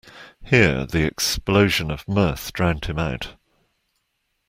Here the explosion of mirth drowned him out.